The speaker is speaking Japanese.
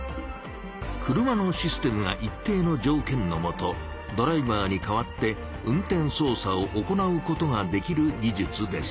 車のシステムが一定のじょうけんのもとドライバーにかわって運転そう作を行うことができる技術です。